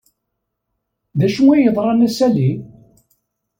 D acu ay yeḍran a Sally?